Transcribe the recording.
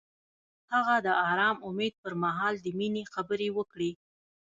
هغه د آرام امید پر مهال د مینې خبرې وکړې.